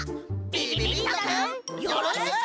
びびびっとくんよろしく！